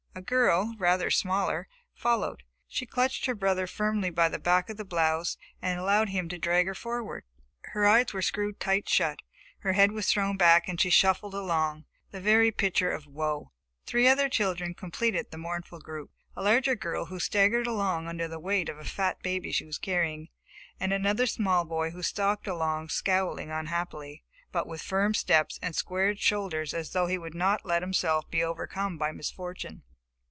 A girl, rather smaller, followed. She clutched her brother firmly by the back of the blouse and allowed him to drag her forward. Her eyes were screwed tight shut, her head was thrown back and she shuffled along, the very picture of woe. Three other children completed the mournful group. A larger girl, who staggered along under the weight of the fat baby she was carrying, and another small boy who stalked along, scowling unhappily, but with firm steps and squared shoulders as though he would not let himself be overcome by misfortune.